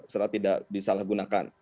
setelah tidak disalahgunakan